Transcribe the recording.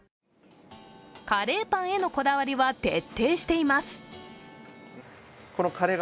カレーパンへのこだわりは徹底しています。